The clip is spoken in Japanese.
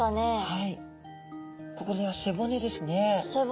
はいこれは背骨ですね。